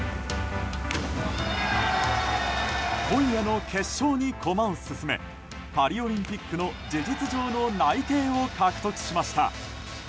今夜の決勝にコマを進めパリオリンピックの事実上の内定を獲得しました。